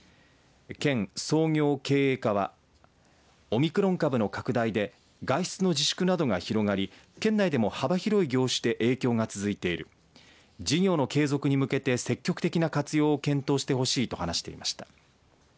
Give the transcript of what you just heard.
県創業・経営課はオミクロン株の拡大で外出の自粛などが広がり県内でも幅広い業種で影響が続いている事業の継続に向けて積極的な活用を検討してほしいと話していました。